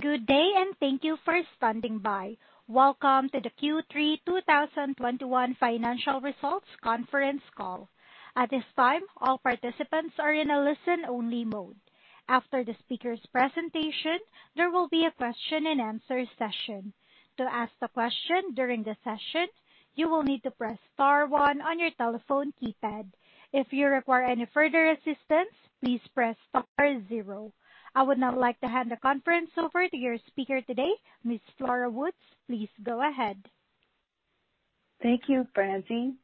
Good day, and thank you for standing by. Welcome to the Q3 2021 financial results conference call. At this time, all participants are in a listen-only mode. After the speaker's presentation, there will be a question-and-answer session. To ask a question during the session, you will need to press star one on your telephone keypad. If you require any further assistance, please press star zero. I would now like to hand the conference over to your speaker today, Ms. Flora Wood. Please go ahead. Thank you, Francine.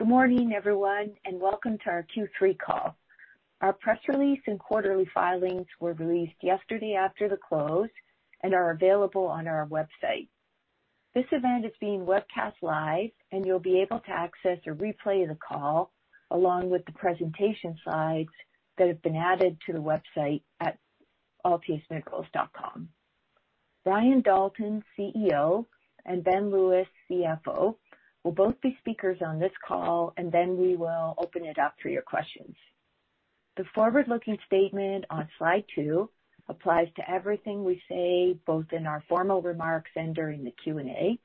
Good morning, everyone, and welcome to our Q3 call. Our press release and quarterly filings were released yesterday after the close and are available on our website. This event is being webcast live, and you'll be able to access a replay of the call along with the presentation slides that have been added to the website at altiusminerals.com. Brian Dalton, CEO, and Ben Lewis, CFO, will both be speakers on this call, and then we will open it up for your questions. The forward-looking statement on slide two applies to everything we say, both in our formal remarks and during the Q&A.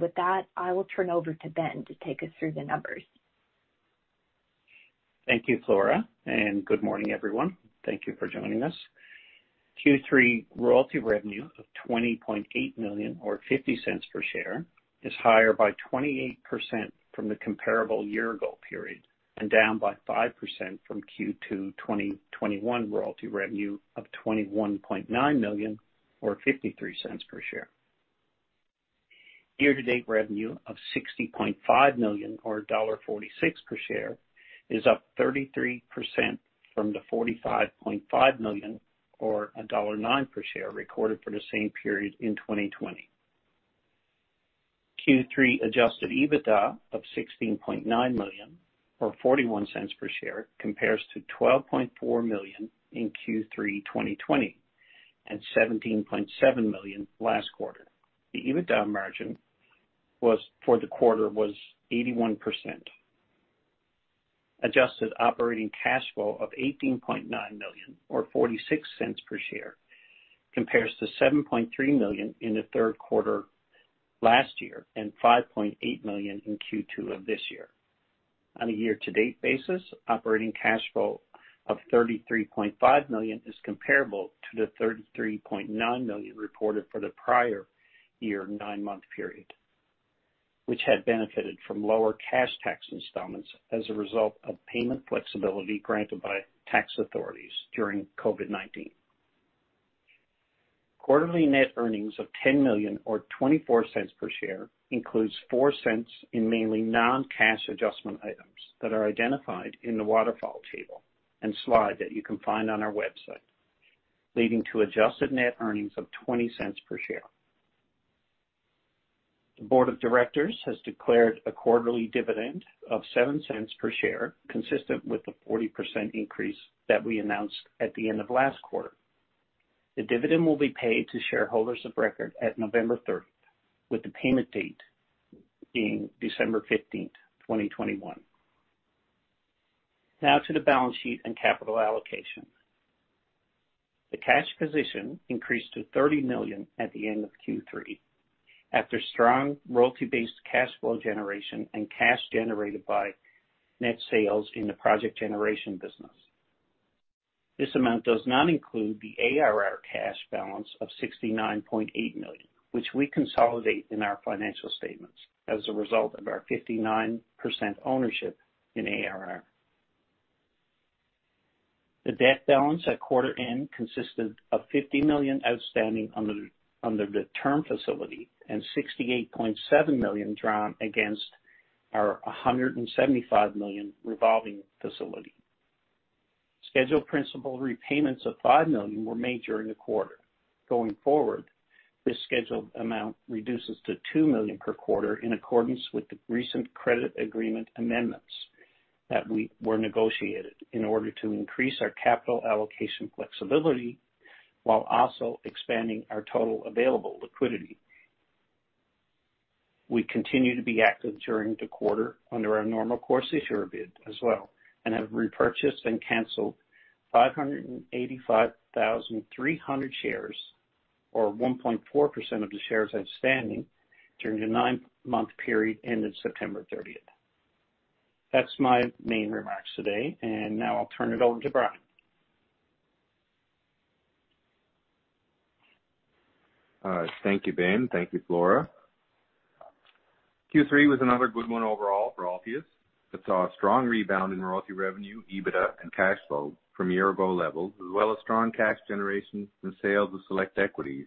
With that, I will turn over to Ben to take us through the numbers. Thank you, Flora, and good morning, everyone. Thank you for joining us. Q3 royalty revenue of 20.8 million or 0.50 per share is higher by 28% from the comparable year ago period and down by 5% from Q2 2021 royalty revenue of 21.9 million or 0.53 per share. Year-to-date revenue of 60.5 million or dollar 1.46 per share is up 33% from the 45.5 million or dollar 1.09 per share recorded for the same period in 2020. Q3 adjusted EBITDA of 16.9 million or 0.41 per share compares to 12.4 million in Q3 2020 and 17.7 million last quarter. The EBITDA margin for the quarter was 81%. Adjusted operating cash flow of 18.9 million or 0.46 per share compares to 7.3 million in the third quarter last year and 5.8 million in Q2 of this year. On a year-to-date basis, operating cash flow of 33.5 million is comparable to the 33.9 million reported for the prior year nine-month period, which had benefited from lower cash tax installments as a result of payment flexibility granted by tax authorities during COVID-19. Quarterly net earnings of 10 million or 0.24 per share includes 0.04 in mainly non-cash adjustment items that are identified in the waterfall table and slide that you can find on our website, leading to adjusted net earnings of 0.20 per share. The board of directors has declared a quarterly dividend of 0.07 per share, consistent with the 40% increase that we announced at the end of last quarter. The dividend will be paid to shareholders of record at November 3, with the payment date being December 15, 2021. Now to the balance sheet and capital allocation. The cash position increased to 30 million at the end of Q3 after strong royalty-based cash flow generation and cash generated by net sales in the project generation business. This amount does not include the ARR cash balance of 69.8 million, which we consolidate in our financial statements as a result of our 59% ownership in ARR. The debt balance at quarter end consisted of 50 million outstanding under the term facility and 68.7 million drawn against our 175 million revolving facility. Scheduled principal repayments of 5 million were made during the quarter. Going forward, this scheduled amount reduces to 2 million per quarter in accordance with the recent credit agreement amendments that were negotiated in order to increase our capital allocation flexibility while also expanding our total available liquidity. We continue to be active during the quarter under our normal course issuer bid as well and have repurchased and canceled 585,300 shares or 1.4% of the shares outstanding during the nine-month period ended September 30. That's my main remarks today, and now I'll turn it over to Brian. Thank you, Ben. Thank you, Flora. Q3 was another good one overall for Altius that saw a strong rebound in royalty revenue, EBITDA, and cash flow from year ago levels, as well as strong cash generation and sales of select equities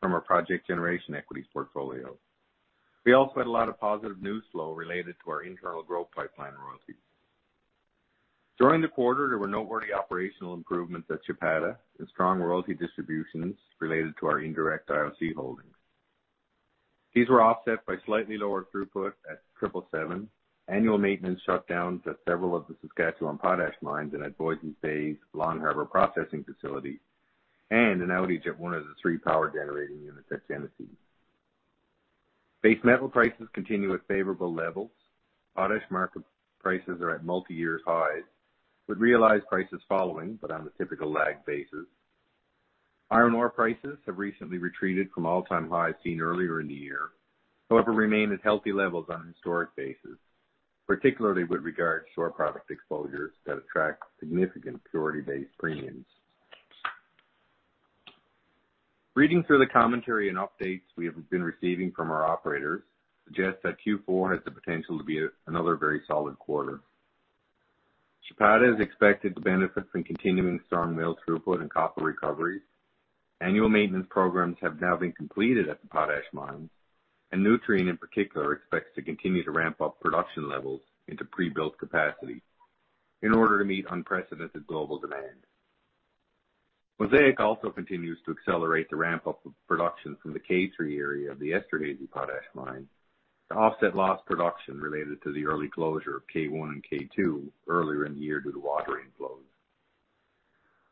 from our project generation equities portfolio. We also had a lot of positive news flow related to our internal growth pipeline royalties. During the quarter, there were noteworthy operational improvements at Chapada and strong royalty distributions related to our indirect IOC holdings. These were offset by slightly lower throughput at 777, annual maintenance shutdowns at several of the Saskatchewan potash mines and at Voisey's Bay's Long Harbour processing facility, and an outage at one of the three power generating units at Genesee. Base metal prices continue at favorable levels. Potash market prices are at multi-year highs, with realized prices following, but on the typical lag basis. Iron ore prices have recently retreated from all-time highs seen earlier in the year, however remain at healthy levels on a historic basis, particularly with regard to our product exposures that attract significant purity-based premiums. Reading through the commentary and updates we have been receiving from our operators suggests that Q4 has the potential to be another very solid quarter. Chapada is expected to benefit from continuing strong mill throughput and copper recoveries. Annual maintenance programs have now been completed at the potash mines, and Nutrien in particular expects to continue to ramp up production levels into pre-built capacity in order to meet unprecedented global demand. also continues to accelerate the ramp-up of production from the K3 area of the Esterhazy Potash Mine to offset lost production related to the early closure of K1 and K2 earlier in the year due to water inflows.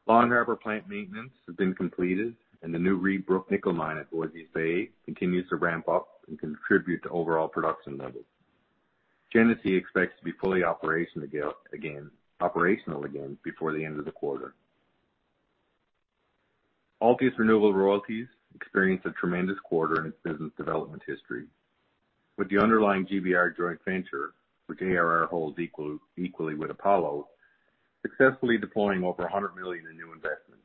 Long Harbour plant maintenance has been completed, and the new Reid Brook nickel mine at Voisey's Bay continues to ramp up and contribute to overall production levels. Genesee expects to be fully operational again before the end of the quarter. Altius Renewable Royalties experienced a tremendous quarter in its business development history. With the underlying GBR joint venture, which ARR holds equally with Apollo, successfully deploying over $100 million in new investments.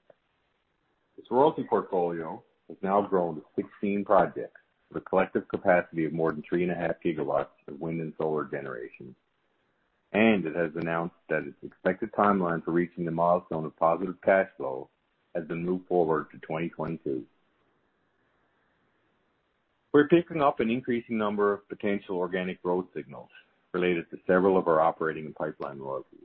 Its royalty portfolio has now grown to 16 projects with a collective capacity of more than 3.5 GW of wind and solar generation. It has announced that its expected timeline for reaching the milestone of positive cash flow has been moved forward to 2022. We're picking up an increasing number of potential organic growth signals related to several of our operating and pipeline royalties.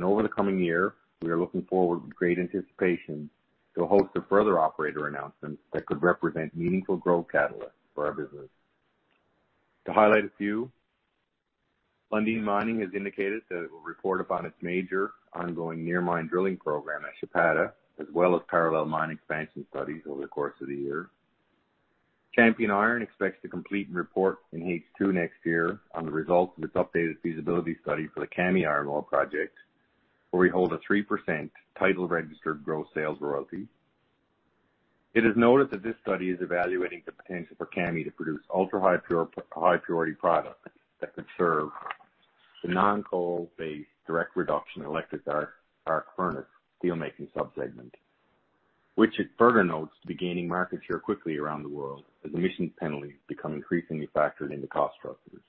Over the coming year, we are looking forward with great anticipation to a host of further operator announcements that could represent meaningful growth catalysts for our business. To highlight a few, Lundin Mining has indicated that it will report upon its major ongoing near mine drilling program at Chapada, as well as parallel mine expansion studies over the course of the year. Champion Iron expects to complete and report in H2 next year on the results of its updated feasibility study for the Kami Iron Ore project, where we hold a 3% title registered gross sales royalty. It is noted that this study is evaluating the potential for Kami to produce ultra-high pure, high purity product that could serve the non-coal-based direct reduction electric arc furnace steel making subsegment, which it further notes to be gaining market share quickly around the world as emissions penalties become increasingly factored into cost structures.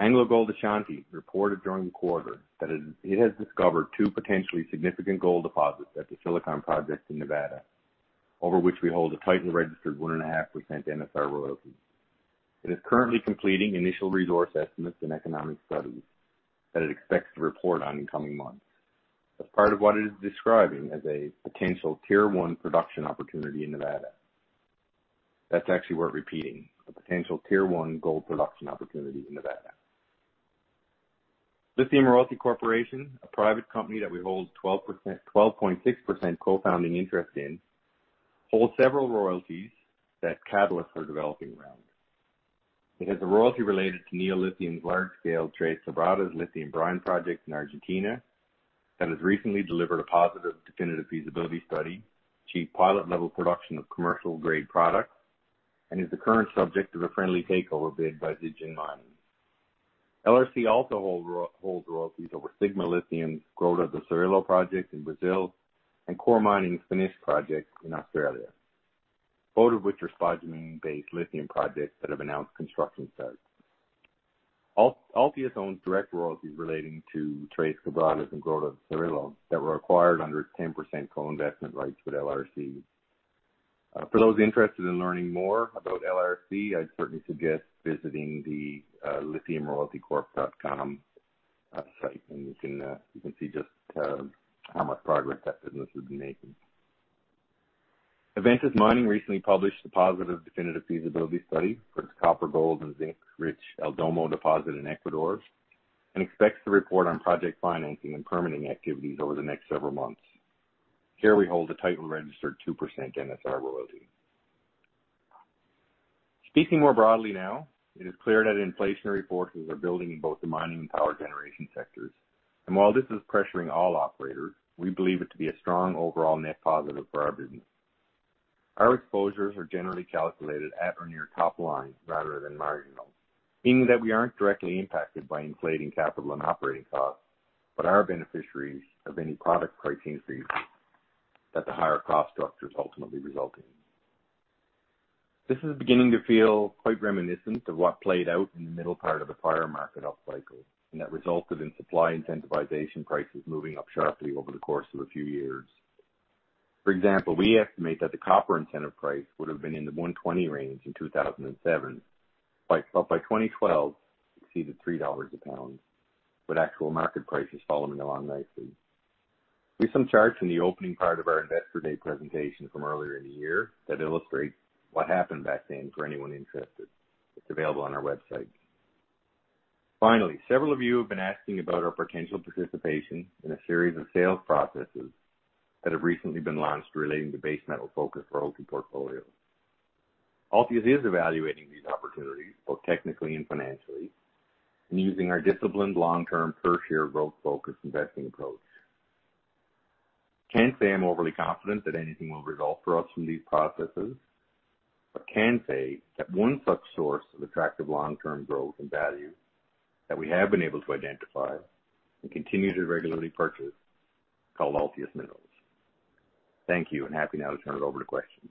AngloGold Ashanti reported during the quarter that it has discovered two potentially significant gold deposits at the Silicon project in Nevada, over which we hold a title registered 1.5% NSR royalty. It is currently completing initial resource estimates and economic studies that it expects to report on in coming months, as part of what it is describing as a potential Tier 1 production opportunity in Nevada. That's actually worth repeating, a potential Tier 1 gold production opportunity in Nevada. Lithium Royalty Corp., a private company that we hold 12%, 12.6% co-founding interest in, holds several royalties that catalysts are developing around. It has a royalty related to Neo Lithium's large-scale Tres Quebradas Lithium Brine project in Argentina that has recently delivered a positive definitive feasibility study, achieved pilot level production of commercial grade products, and is the current subject of a friendly takeover bid by Zijin Mining. LRC also holds royalties over Sigma Lithium's Grota do Cirilo project in Brazil and Core Lithium's Finniss project in Australia, both of which are spodumene-based lithium projects that have announced construction starts. Altius owns direct royalties relating to Tres Quebradas and Grota do Cirilo that were acquired under its 10% co-investment rights with LRC. For those interested in learning more about LRC, I'd certainly suggest visiting the lithiumroyaltycorp.com site, and you can see just how much progress that business has been making. Adventus Mining recently published a positive definitive feasibility study for its copper, gold and zinc-rich El Domo deposit in Ecuador, and expects to report on project financing and permitting activities over the next several months. Here we hold a title registered 2% NSR royalty. Speaking more broadly now, it is clear that inflationary forces are building in both the mining and power generation sectors. While this is pressuring all operators, we believe it to be a strong overall net positive for our business. Our exposures are generally calculated at or near top line rather than marginal, meaning that we aren't directly impacted by inflating capital and operating costs, but are beneficiaries of any product price increases that the higher cost structures ultimately result in. This is beginning to feel quite reminiscent of what played out in the middle part of the prior market upcycle, and that resulted in supply incentivization prices moving up sharply over the course of a few years. For example, we estimate that the copper incentive price would have been in the $1.20 range in 2007, but by 2012 exceeded $3 a pound, with actual market prices following along nicely. We have some charts in the opening part of our Investor Day presentation from earlier in the year that illustrate what happened back then for anyone interested. It's available on our website. Finally, several of you have been asking about our potential participation in a series of sales processes that have recently been launched relating to base metal-focused royalty portfolios. Altius is evaluating these opportunities both technically and financially and using our disciplined long-term per share growth focus investing approach. Can't say I'm overly confident that anything will result for us from these processes, but can say that one such source of attractive long-term growth and value that we have been able to identify and continue to regularly purchase, called Altius Minerals. Thank you, and happy now to turn it over to questions.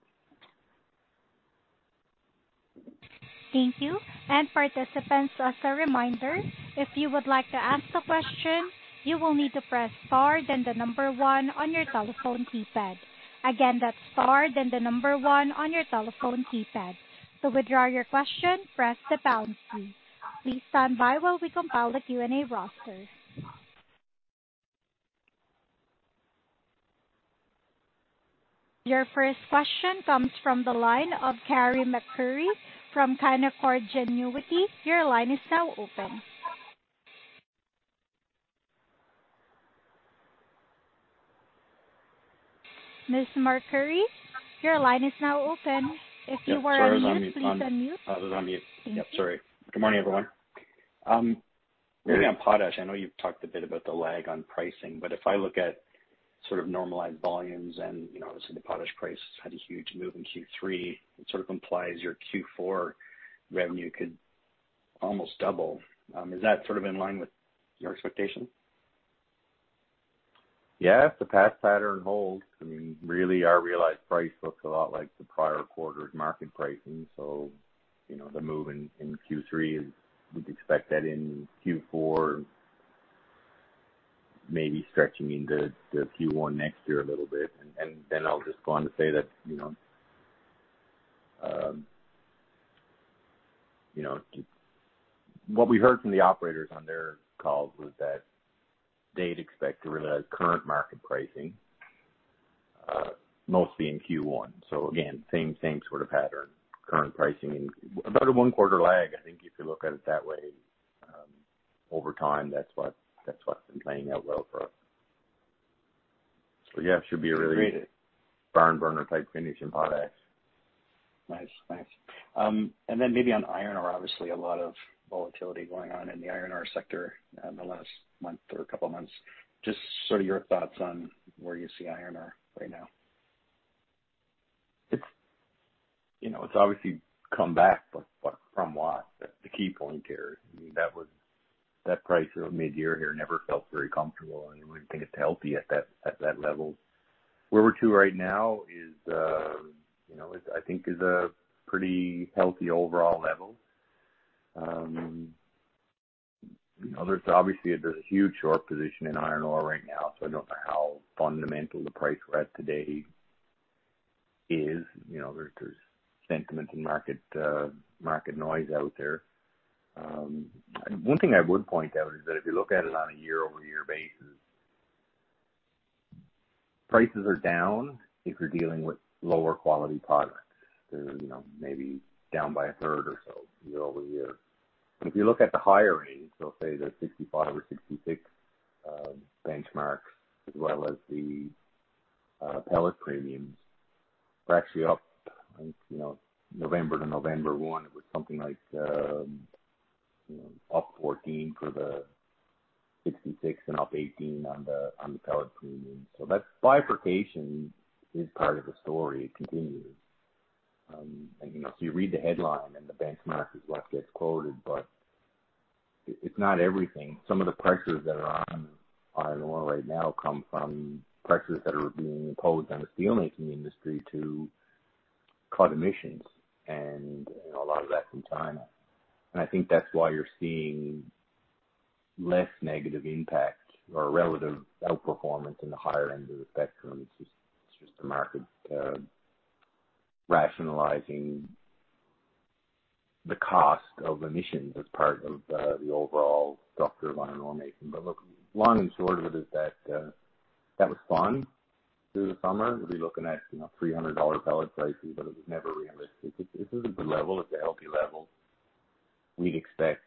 Thank you. Participants, as a reminder, if you would like to ask a question, you will need to press star then 1 on your telephone keypad. Again, that's star then 1 on your telephone keypad. To withdraw your question, press the pound key. Please stand by while we compile the Q&A roster. Your first question comes from the line of Carey MacRury from Canaccord Genuity. Your line is now open. Ms. MacRury, your line is now open. If you are on mute, please unmute. Yeah. Sorry I was on mute. Thank you. Yep, sorry. Good morning, everyone. Maybe on potash, I know you've talked a bit about the lag on pricing, but if I look at sort of normalized volumes and, obviously the potash price has had a huge move in Q3, it sort of implies your Q4 revenue could almost double. Is that sort of in line with your expectation? Yeah, if the past pattern holds, I mean, really our realized price looks a lot like the prior quarter's market pricing. The move in Q3 we'd expect that in Q4, maybe stretching into the Q1 next year a little bit. Then I'll just go on to say that what we heard from the operators on their calls was that they'd expect to realize current market pricing, mostly in Q1. Again, same sort of pattern, current pricing. About a one quarter lag, I think if you look at it that way, over time, that's what's been playing out well for us. Yeah, it should be a really barn burner type finish in potash. Nice. Maybe on iron ore, obviously a lot of volatility going on in the iron ore sector in the last month or couple of months. Just sort of your thoughts on where you see iron ore right now? It's obviously come back, but from what? That's the key point here. I mean, that price mid-year here never felt very comfortable, and I wouldn't think it's healthy at that level. Where we're at right now is a pretty healthy overall level. There's obviously this huge short position in iron ore right now, so I don't know how fundamental the price we're at today is. You know, there's sentiment and market noise out there. One thing I would point out is that if you look at it on a year-over-year basis, prices are down if you're dealing with lower quality product. They're maybe down by a third or so year-over-year. If you look at the higher range, so say the 65% or 66% benchmarks as well as the pellet premiums, we're actually up. I think, you know, November to November 1, it was something like, you know, up $14 for the 66% and up $18 on the pellet premium. So that bifurcation is part of the story. It continues. You read the headline and the benchmark is what gets quoted, but it's not everything. Some of the pressures that are on iron ore right now come from prices that are being imposed on the steelmaking industry to cut emissions and, you know, a lot of that's in China. And I think that's why you're seeing less negative impact or relative outperformance in the higher end of the spectrum. It's just the market rationalizing the cost of emissions as part of the overall structure of iron ore making. Look, long and short of it is that that was fun through the summer. We'd be looking at you know $300 pellet prices, but it was never realistic. This is a good level. It's a healthy level. We'd expect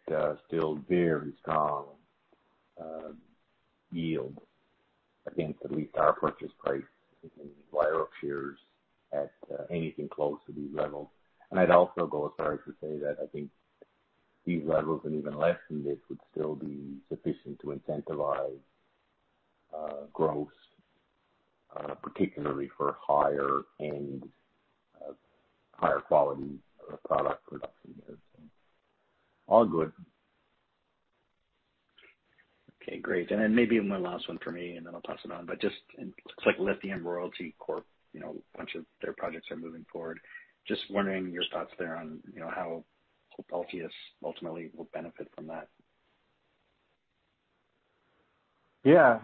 still very strong yield against at least our purchase price. We can buy up shares at anything close to these levels. I'd also go as far as to say that I think these levels and even less than this would still be sufficient to incentivize growth, particularly for higher end higher quality product production. All good. Okay, great. Then maybe one last one for me, and then I'll pass it on. Just looks like Lithium Royalty Corp, a bunch of their projects are moving forward. Just wondering your thoughts there on, you know, how Altius ultimately will benefit from that.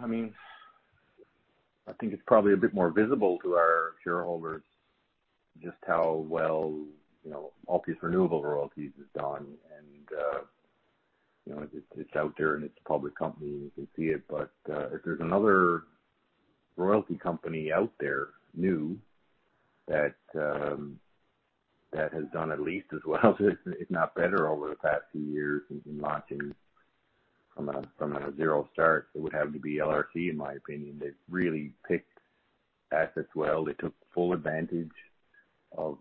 I mean, I think it's probably a bit more visible to our shareholders just how well, you know, Altius Renewable Royalties has done. You know, it's out there and it's a public company and you can see it. If there's another royalty company out there, new, that has done at least as well as if not better over the past few years in launching from a zero start, it would have to be LRC, in my opinion. They've really picked assets well. They took full advantage of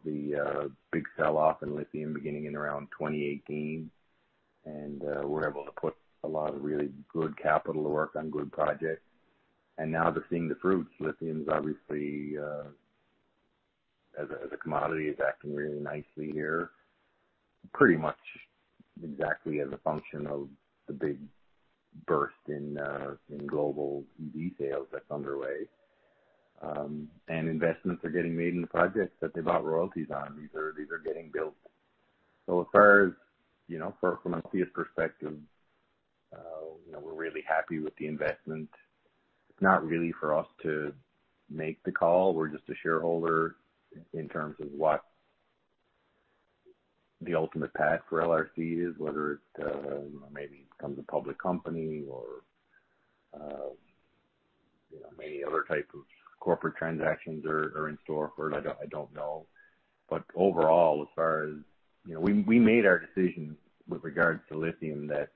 the big sell-off in lithium beginning in around 2018 and were able to put a lot of really good capital to work on good projects. Now they're seeing the fruits. Lithium's obviously, as a commodity, is acting really nicely here, pretty much exactly as a function of the big burst in global EV sales that's underway. Investments are getting made in the projects that they bought royalties on. These are getting built. As far as, you know, from a CEO's perspective, we're really happy with the investment. It's not really for us to make the call. We're just a shareholder in terms of what the ultimate path for LRC is, whether it, maybe becomes a public company or, you know, many other type of corporate transactions are in store for it. I don't know. Overall, as far as... You know, we made our decision with regards to lithium, that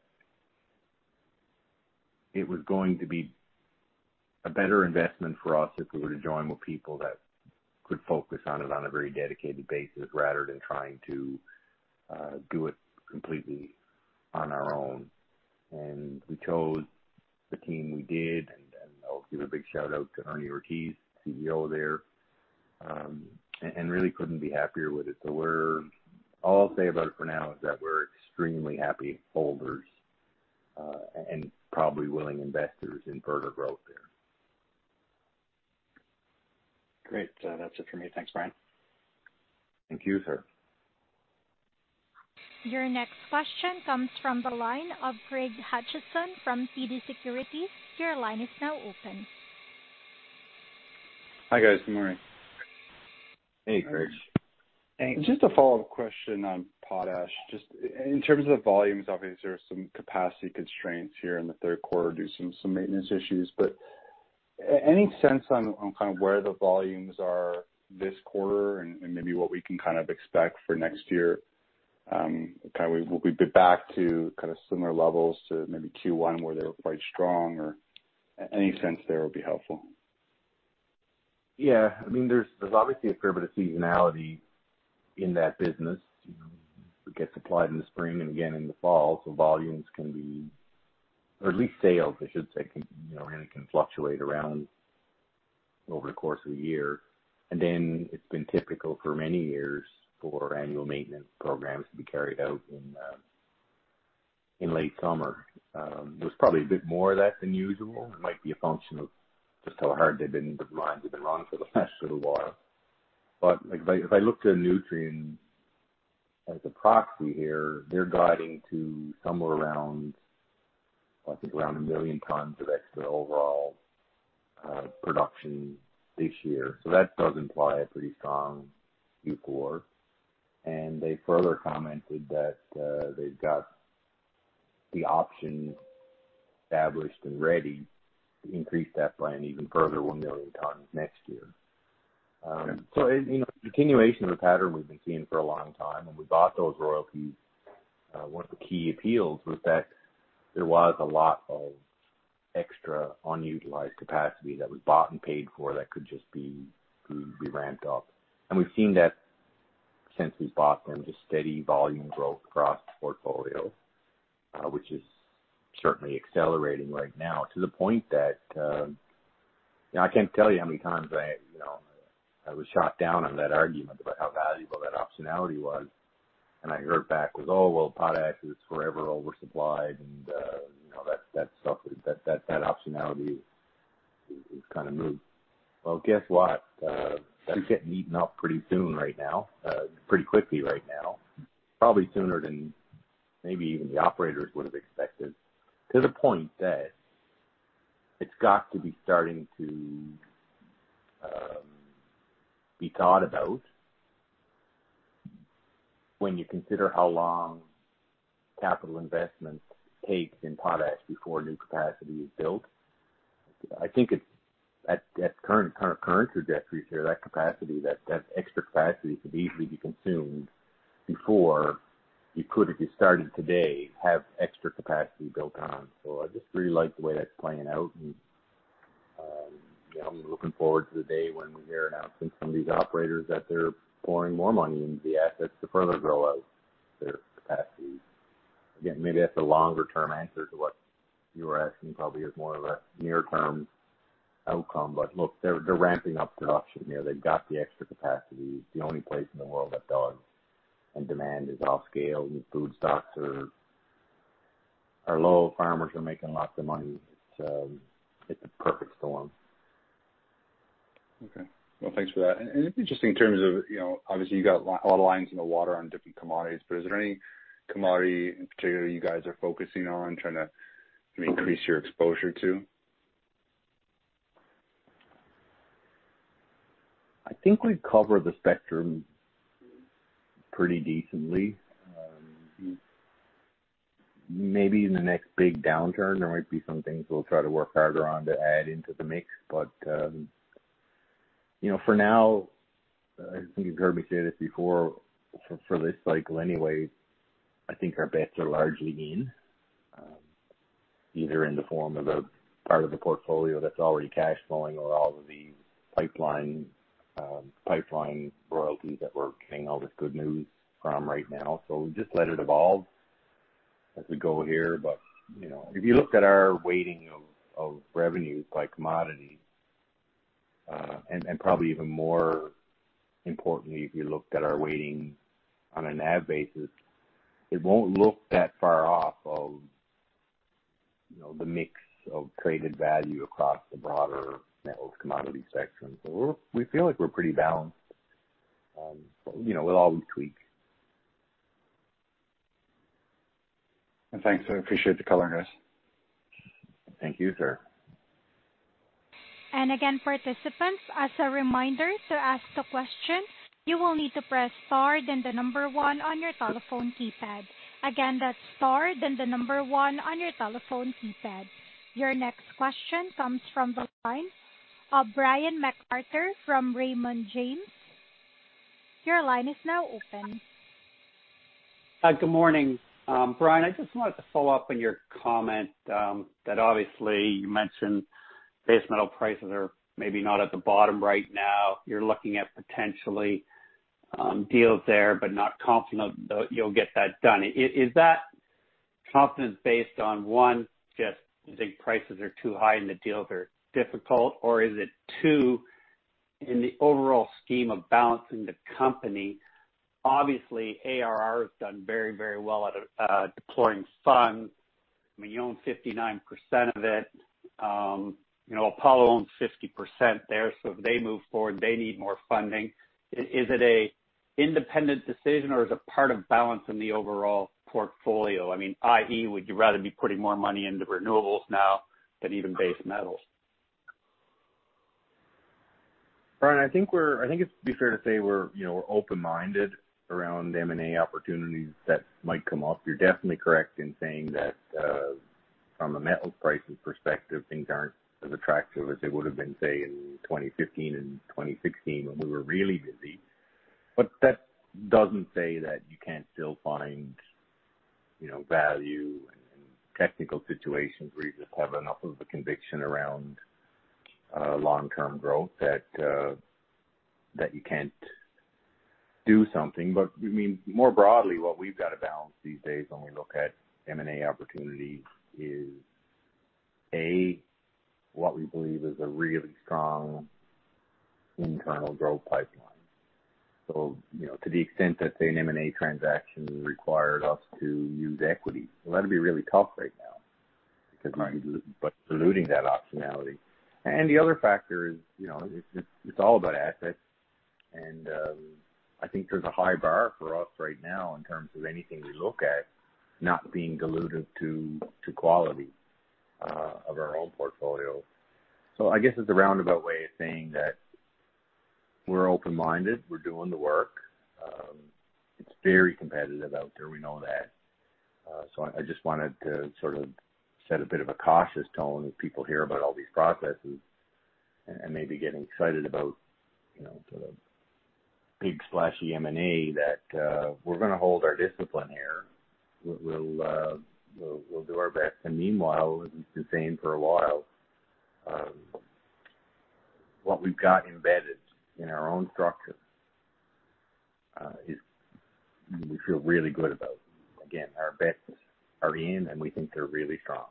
it was going to be a better investment for us if we were to join with people that could focus on it on a very dedicated basis rather than trying to do it completely on our own. We chose the team we did, and I'll give a big shout-out to Ernie Ortiz, CEO there, and really couldn't be happier with it. All I'll say about it for now is that we're extremely happy holders, and probably willing investors in further growth there. Great. That's it for me. Thanks, Brian. Thank you, sir. Your next question comes from the line of Craig Hutchison from TD Securities. Your line is now open. Hi, guys. Good morning. Hey, Craig. Hey. Just a follow-up question on potash. Just in terms of volumes, obviously there are some capacity constraints here in the third quarter due to some maintenance issues. Any sense on kind of where the volumes are this quarter and maybe what we can kind of expect for next year? Kind of will we be back to kind of similar levels to maybe Q1 where they were quite strong or any sense there would be helpful. Yeah. I mean, there's obviously a fair bit of seasonality in that business. It gets applied in the spring and again in the fall. Volumes can be or at least sales, I should say, can, really fluctuate around over the course of a year. Then it's been typical for many years for annual maintenance programs to be carried out in late summer. There was probably a bit more of that than usual. It might be a function of just how hard the mines have been running for the past little while. Like if I look to Nutrien as a proxy here, they're guiding to somewhere around, I think, 1 million tons of extra overall production this year. That does imply a pretty strong Q4. They further commented that they've got the option established and ready to increase that plan even further, 1 million tons next year. Continuation of the pattern we've been seeing for a long time. When we bought those royalties, one of the key appeals was that there was a lot of extra unutilized capacity that was bought and paid for that could just be ramped up. We've seen that since we've bought them, just steady volume growth across the portfolio, which is certainly accelerating right now to the point that you know I can't tell you how many times I you know I was shot down on that argument about how valuable that optionality was. I heard back was, "Oh, well, potash is forever oversupplied." That stuff, that optionality is kind of moot. Well, guess what? That's getting eaten up pretty soon right now, pretty quickly right now, probably sooner than maybe even the operators would have expected, to the point that it's got to be starting to be thought about when you consider how long capital investments take in potash before new capacity is built. I think it's at current trajectories here, that capacity, that extra capacity could easily be consumed before you could, if you started today, have extra capacity built on. I just really like the way that's playing out. I'm looking forward to the day when we hear announcements from these operators that they're pouring more money into the assets to further grow out their capacity. Again, maybe that's a longer term answer to what you were asking, probably is more of a near term outcome. Look, they're ramping up production. They've got the extra capacity. It's the only place in the world that does, and demand is off scale, and food stocks are low. Farmers are making lots of money. It's a perfect storm. Okay. Well, thanks for that. Just in terms of, you know, obviously you got a lot of lines in the water on different commodities, but is there any commodity in particular you guys are focusing on trying to increase your exposure to? I think we cover the spectrum pretty decently. Maybe in the next big downturn, there might be some things we'll try to work harder on to add into the mix. For now, I think you've heard me say this before, for this cycle anyway, I think our bets are largely in, either in the form of a part of the portfolio that's already cash flowing or all of these pipeline royalties that we're getting all this good news from right now. We just let it evolve as we go here. You know, if you looked at our weighting of revenues by commodity, and probably even more importantly, if you looked at our weighting on an ad basis, it won't look that far off of, you know, the mix of traded value across the broader metals commodity sector. We feel like we're pretty balanced, but we'll always tweak. Thanks. I appreciate the color, Craig. Thank you, sir. Again, participants, as a reminder to ask a question, you will need to press star then 1 on your telephone keypad. Again, that's star then 1 on your telephone keypad. Your next question comes from the line of Brian MacArthur from Raymond James. Your line is now open. Good morning. Brian, I just wanted to follow up on your comment, that obviously you mentioned base metal prices are maybe not at the bottom right now. You're looking at potentially deals there, but not confident you'll get that done. Is that confidence based on, one, just you think prices are too high and the deals are difficult, or is it, two, in the overall scheme of balancing the company? Obviously, ARR has done very, very well at deploying funds. I mean, you own 59% of it. Apollo owns 50% there, so if they move forward, they need more funding. Is it a independent decision or is it part of balancing the overall portfolio? I mean, i.e., would you rather be putting more money into renewables now than even base metals? Brian, I think it'd be fair to say we're, open-minded around M&A opportunities that might come up. You're definitely correct in saying that, from a metals pricing perspective, things aren't as attractive as they would have been, say, in 2015 and 2016 when we were really busy. That doesn't say that you can't still find, value and technical situations where you just have enough of the conviction around, long-term growth that you can't do something. I mean, more broadly, what we've got to balance these days when we look at M&A opportunity is, A, what we believe is a really strong internal growth pipeline. You know, to the extent that say an M&A transaction required us to use equity, well, that'd be really tough right now because we're diluting that optionality. The other factor is, you know, it's all about assets. I think there's a high bar for us right now in terms of anything we look at not being dilutive to quality of our own portfolio. I guess it's a roundabout way of saying that we're open-minded, we're doing the work. It's very competitive out there. We know that. I just wanted to sort of set a bit of a cautious tone as people hear about all these processes and maybe get excited about, you know, sort of big splashy M&A that we're gonna hold our discipline here. We'll do our best. Meanwhile, as we've been saying for a while, what we've got embedded in our own structure is we feel really good about. Again, our bets are in, and we think they're really strong.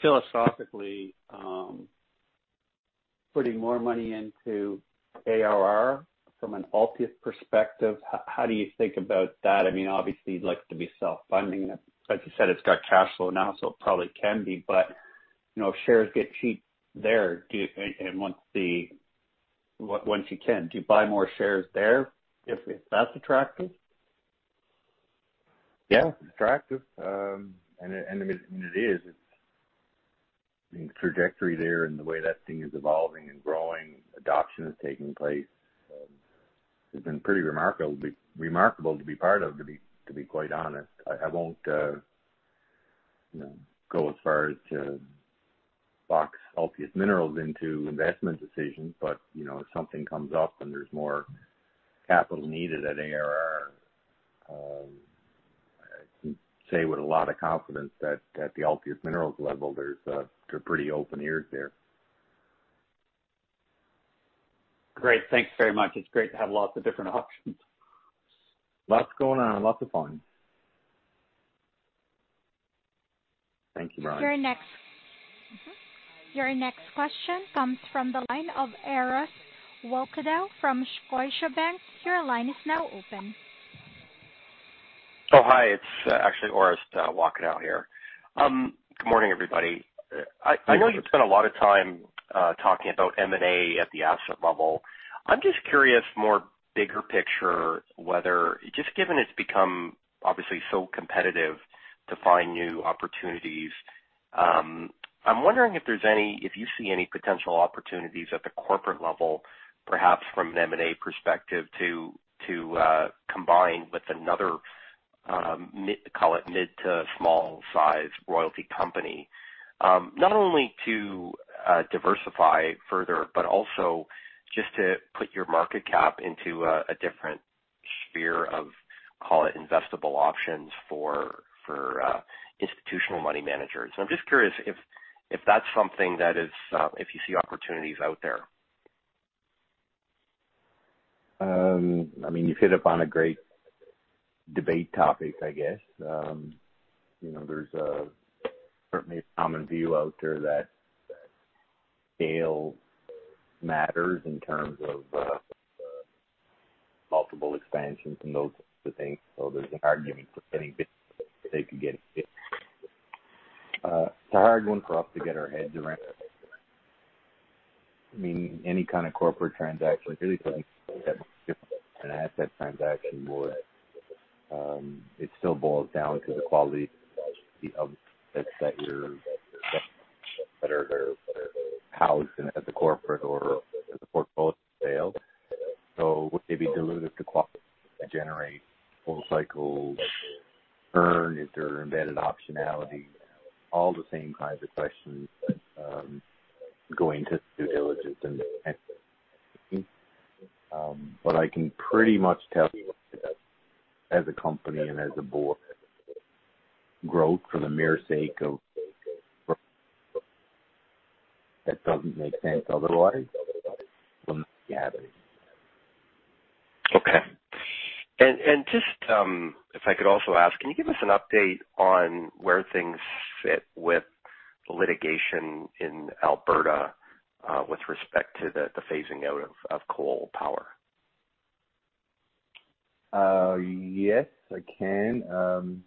Philosophically, putting more money into ARR from an Altius perspective, how do you think about that? I mean, obviously you'd like to be self-funding. Like you said, it's got cash flow now, so it probably can be. If shares get cheap there, and once you can, do you buy more shares there if that's attractive? Yeah, attractive. I mean, it is. It's the trajectory there and the way that thing is evolving and growing, adoption is taking place. It's been pretty remarkable to be part of, to be quite honest. I won't, you know, go as far as to box Altius Minerals into investment decisions, but, you know, if something comes up and there's more capital needed at ARR, I can say with a lot of confidence that at the Altius Minerals level, they're pretty open ears there. Great. Thanks very much. It's great to have lots of different options. Lots going on. Lots of fun. Thank you, Brian. Your next question comes from the line of Orest Wowkodaw from Scotiabank. Your line is now open. Oh, hi. It's actually Orest Wowkodaw here. Good morning, everybody. Good morning. I know you've spent a lot of time talking about M&A at the asset level. I'm just curious, more bigger picture, whether just given it's become obviously so competitive to find new opportunities. I'm wondering if you see any potential opportunities at the corporate level, perhaps from an M&A perspective to combine with another mid to small size royalty company, not only to diversify further, but also just to put your market cap into a different sphere of investable options for institutional money managers. I'm just curious if that's something that is, if you see opportunities out there. I mean, you've hit upon a great debate topic, I guess. You know, there's certainly a common view out there that scale matters in terms of multiple expansions and those sorts of things. There's an argument for any business that they could get. It's a hard one for us to get our heads around. I mean, any kind of corporate transaction, really an asset transaction where it still boils down to the quality of the assets that are housed at the corporate or the portfolio sale. Would they be dilutive to generate full cycle earn if there are embedded optionality? All the same kinds of questions that go into due diligence, but I can pretty much tell you as a company and as a board, growth for the mere sake of that doesn't make sense. Otherwise will not be happening. If I could also ask, can you give us an update on where things sit with the litigation in Alberta, with respect to the phasing out of coal power? Yes, I can.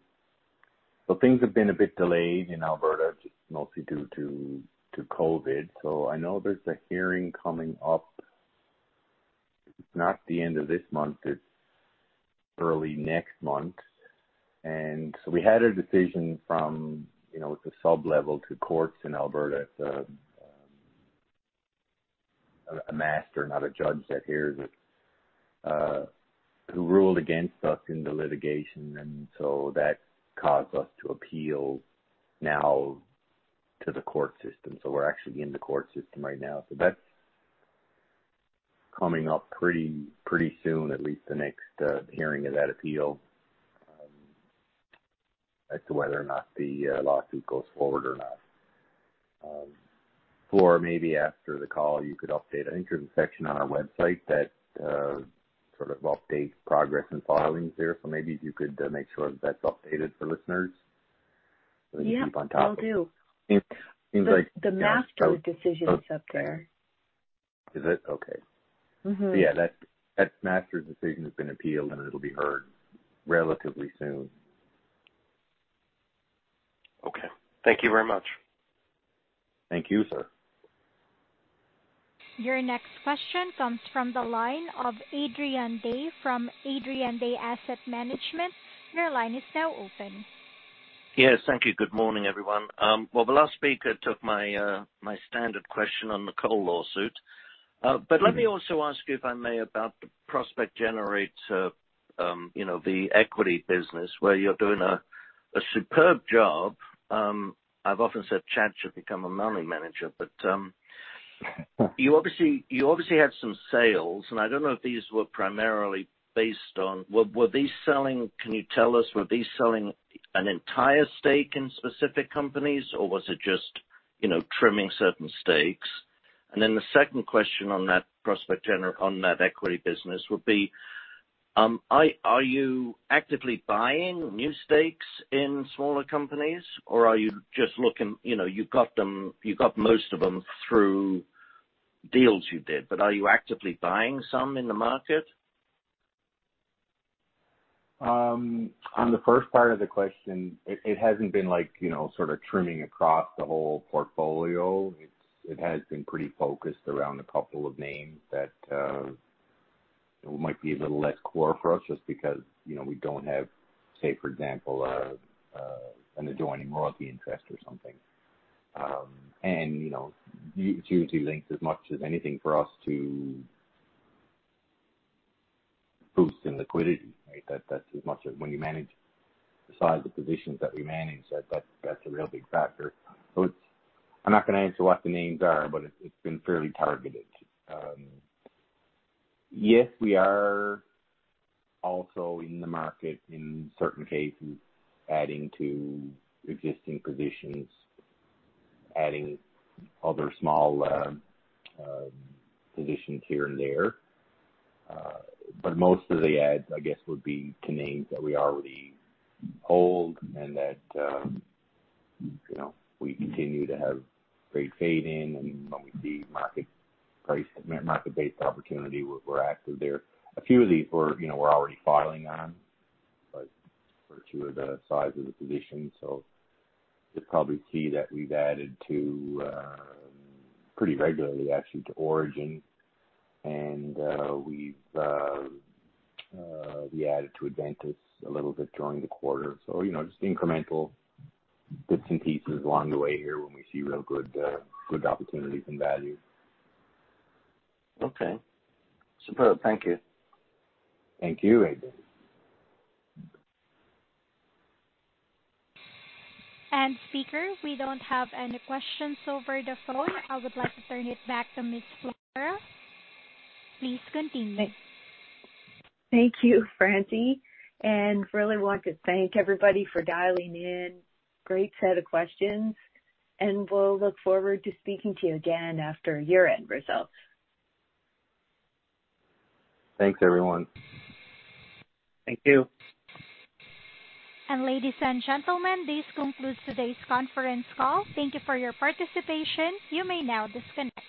Things have been a bit delayed in Alberta, mostly due to COVID. I know there's a hearing coming up. If it's not the end of this month, it's early next month. We had a decision from, you know, at the sub-level, two courts in Alberta. It's a master, not a judge that hears it, who ruled against us in the litigation. That caused us to appeal now to the court system. We're actually in the court system right now. That's coming up pretty soon, at least the next hearing of that appeal, as to whether or not the lawsuit goes forward or not. Or maybe after the call, you could update. I think there's a section on our website that sort of updates progress and filings there. Maybe you could make sure that that's updated for listeners. Yeah. They can keep on top of it. Will do. Seems, seems like- The master decision is up there. Is it? Okay. Mm-hmm. Yeah, that master decision has been appealed, and it'll be heard relatively soon. Okay. Thank you very much. Thank you, sir. Your next question comes from the line of Adrian Day from Adrian Day Asset Management. Your line is now open. Yes, thank you. Good morning, everyone. Well, the last speaker took my standard question on the coal lawsuit. Mm-hmm. Let me also ask you, if I may, about the prospect generator, the equity business where you're doing a superb job. I've often said Chad should become a money manager, but you obviously had some sales, and I don't know if these were primarily based on whether these were selling an entire stake in specific companies, or was it just, you know, trimming certain stakes? Then the second question on that equity business would be, are you actively buying new stakes in smaller companies, or are you just looking? You got them, you got most of them through deals you did, but are you actively buying some in the market? On the first part of the question, it hasn't been like, you know, sort of trimming across the whole portfolio. It has been pretty focused around a couple of names that might be a little less core for us just because, you know, we don't have, say, for example, an adjoining royalty interest or something. Due to length, as much as anything for us to boost in liquidity, right? That's as much as when you manage the size of positions that we manage, that's a real big factor. I'm not gonna answer what the names are, but it's been fairly targeted. Yes, we are also in the market in certain cases adding to existing positions, adding other small positions here and there. Most of the adds, I guess, would be to names that we already hold and that, you know, we continue to have great faith in. When we see market-based opportunity, we're active there. A few of these we're, you know, already filing on, but by virtue of the size of the position, you'll probably see that we've added to pretty regularly actually to Orogen. We've added to Adventus a little bit during the quarter. You know, just incremental bits and pieces along the way here when we see real good opportunities and value. Okay. Superb. Thank you. Thank you, Adrian. Speaker, we don't have any questions over the phone. I would like to turn it back to Ms. Flora. Please continue. Thank you, Francine, and I really want to thank everybody for dialing in. Great set of questions, and we'll look forward to speaking to you again after year-end results. Thanks, everyone. Thank you. Ladies and gentlemen, this concludes today's conference call. Thank you for your participation. You may now disconnect.